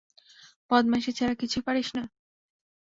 বদমায়েশী ছাড়া কিছুই পারিস না!